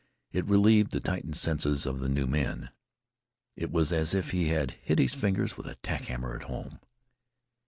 It relieved the tightened senses of the new men. It was as if he had hit his fingers with a tack hammer at home.